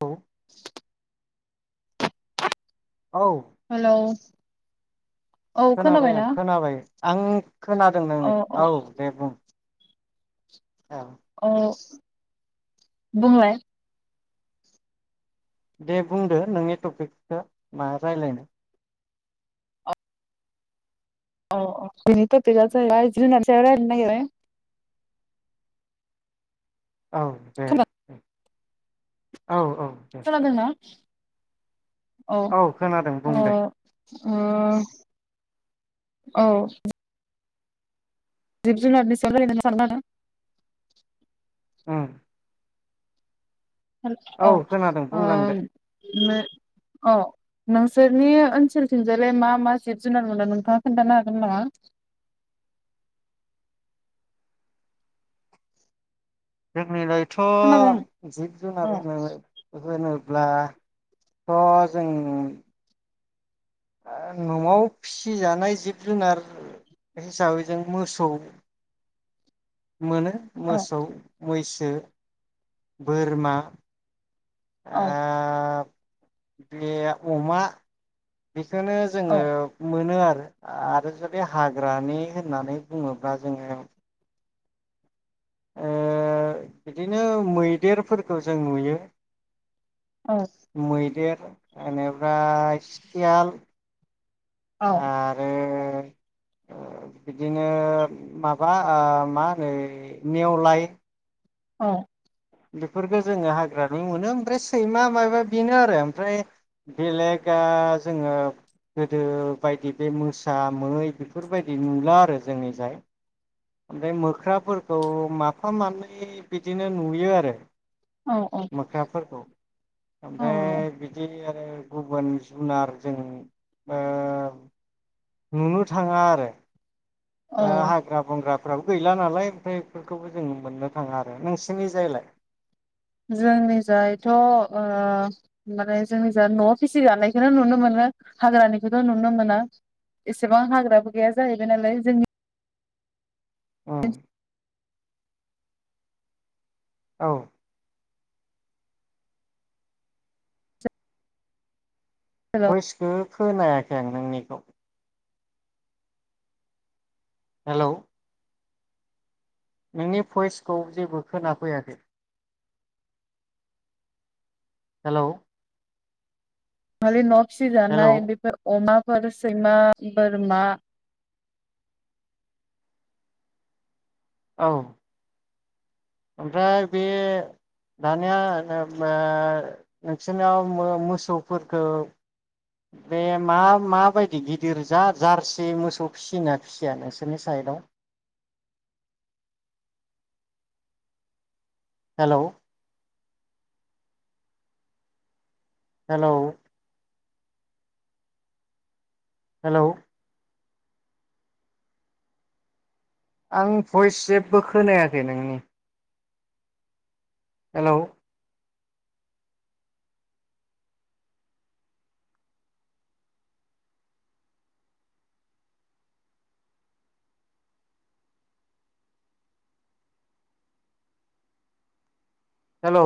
औ औ हेल'। खोनाबाय आं खोनाबाय आं खोनादों नों औ दे बुं। औ। औ बुंलाय। दे बुंदो नोंनि टपिकखो मा रायलायनो? औ औ बिनिथ तपिक आ जाहैबाय जुनाद नि सायाव रायलायनो नागिरदो औ दे। खोना- औ औ। दे खोनादों ना? औ खोनादों ओ बुं दे। ओ औ। जिप जुनारनि [unintelligible] उ अ ओ खोनादों बुंलांदो औ नोंसोरनि ओनसोलथिंजायलाय मा मा जिब जुनार मोनदों नोंथाङा खोन्थानो हागोन नामा? जोंनि खोनादों थ' जिब औ जुनार हो अब्लाथ' जों न'आव फिसिजानाय जिब जुनार हिसाबै जों मोसौ। मोनो औ मोसौ मैसो फसो बोरमा औ ओ बे अमा बेखौनो औ जोङो मोनो आरो। आरो जुदि हाग्रानि होननानै बुङोब्ला जोङो ओ बिदिनो मैदेरफोरखौ जों नुयो। औ मैदेर एनिफ्राय सि सियाल आरो बिदिनो माबा ओ मा होनो नेवलाय। औ। बेफोरखौ जोङो हाग्रानि मोनो ओमफ्राय सैमा माबा बेनो आरो ओमफ्राय बेलेग ओ जोङो गोदो बायदि बे मोसा मै बेफोरबायदि नुला आरो जोंनि जाय। ओमफ्राय मोख्राफोरखौ माफा मानै बिदिनो नुयो आरो। औ मोख्राफोरखौ औ ओमफ्राय बिदि गुबुन जुनारजों ओ नुनो थांङा आरो। आ औ हाग्रा ग्राफ्राबो गैला नालाय ओमफ्राय बेफोरखौबो जों मोननो थांङा आरो नोंसिनि जायलाय? जोंनि जायथ' ओ माने जोंनि जा न'आव फिसि जानायखौनो नुनो मोनो हाग्रानिखौथ' नुनो मोना एसेबां हाग्राबो गैया जाहैबाय नालाय जोंनि औ औ ओनसोलाव भएस खो खोनायाखै आं नोंनिखौ हेलौ नोंनि भइसखौ जेबो खोनाफैयाखै हेलौ माने न' सि हेलौ दानाय बेफोर अमा सैमा बोरमा औ ओमफ्राय बे दानिया उम ओ नोंसोरनाव मोसौफोरखौ बे मा माबायदि गिदिर जा जारसि मोसौ फिसिना फिसिया नोंसोरनि साइडआव हेलौ हेलौ हेलौ आं भइस जेबो खोनायाखै नोंनि हेलौ हेलौ